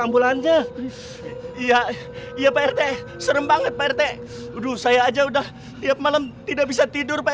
ambulannya iya iya pak rt serem banget pak rt aduh saya aja udah tiap malam tidak bisa tidur pak